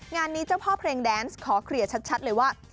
งานนี้เจ้าพ่อเพลงแดนส์ขอเคลียร์ชัดเลยว่า